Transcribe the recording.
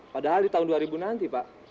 padahal di tahun dua ribu nanti pak